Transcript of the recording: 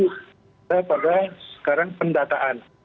saya pada sekarang pendataan